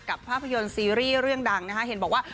ภาพยนตร์ซีรีส์เรื่องดังนะคะเห็นบอกว่า